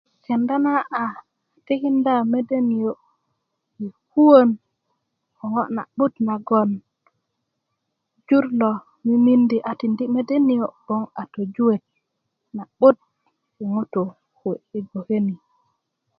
kenda na a tikinda mede niyo' i kuwön ko ŋo' na'but nagoŋ jur lo mimindi a tindi' mede niyo' yi gboŋ a tojuwet na'but yi ŋutuu kuwe' ti gboke ni